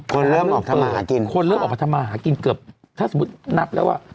คนเริ่มออกมาหากินคนเริ่มออกมาทำมาหากินเกือบถ้าสมมุตินับแล้วว่า